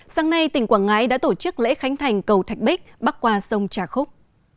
sáng nay tỉnh quảng ngãi đã tổ chức lễ khánh thành cầu thạch bích bắc qua sông trà khúc